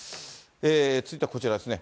続いてはこちらですね。